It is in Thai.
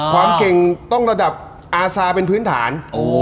ความเก่งต้องระดับอาซาเป็นพื้นฐาน